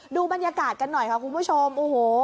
ดูบรรยากาศกันหน่อยค่ะคุณผู้ชมโอ้โห